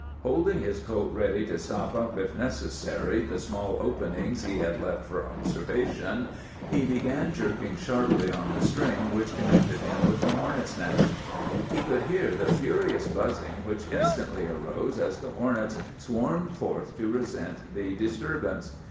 "Holding his coat ready to stop up, if necessary, the small openings he had left for observation, he began jerking sharply on the string which connected him with the hornets' nest. "He could hear the furious buzzing which instantly arose as the hornets swarmed forth to resent the disturbance.